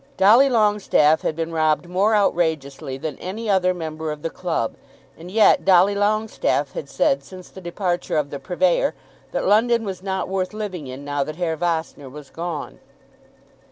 Dolly Longestaffe had been robbed more outrageously than any other member of the club, and yet Dolly Longestaffe had said since the departure of the purveyor that London was not worth living in now that Herr Vossner was gone.